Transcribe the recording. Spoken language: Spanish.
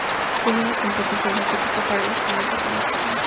Tiene una composición química atípica para los cometas en el sistema solar.